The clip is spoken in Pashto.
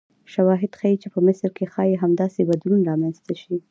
شواهد ښیي چې په مصر کې ښایي همداسې بدلون رامنځته شي.